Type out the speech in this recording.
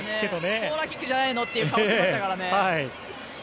コーナーキックじゃないの？っていう顔していましたからね。